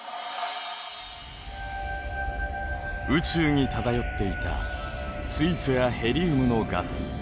宇宙に漂っていた水素やヘリウムのガス。